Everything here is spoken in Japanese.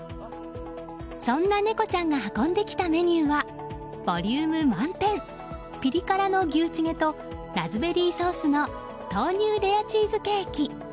そんなネコちゃんが運んできたメニューはボリューム満点ピリ辛の牛チゲとラズベリーソースの豆乳レアチーズケーキ。